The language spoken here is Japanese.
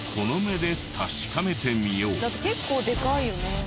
だって結構でかいよね。